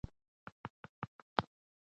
جهالت تیاره ده.